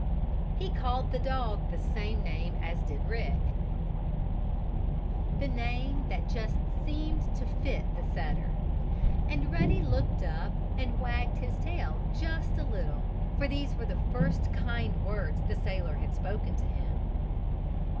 He called the dog the same name as did Rick the name that just seemed to fit the setter. And Ruddy looked up and wagged his tail just a little, for these were the first kind words the sailor had spoken to him.